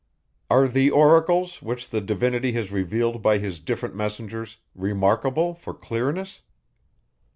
Are the oracles, which the Divinity has revealed by his different messengers, remarkable for clearness?